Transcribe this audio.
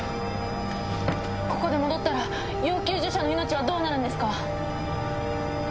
ここで戻ったら要救助者の命はどうなるんですか？